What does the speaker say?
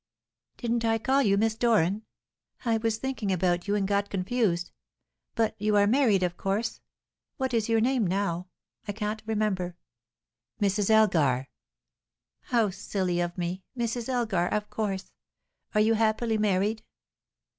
"Didn't I call you, Miss Doran? I was thinking about you, and got confused. But you are married, of course. What is your name now? I can't remember." "Mrs. Elgar." "How silly of me! Mrs. Elgar, of course. Are you happily married?"